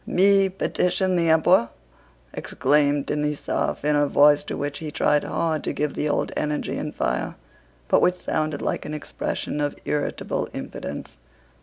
"Me petition the Empewo'!" exclaimed Denísov, in a voice to which he tried hard to give the old energy and fire, but which sounded like an expression of irritable impotence.